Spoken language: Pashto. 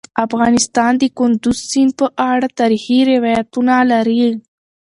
افغانستان د کندز سیند په اړه تاریخي روایتونه لري.